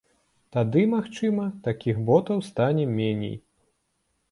Тады, магчыма, такіх ботаў стане меней.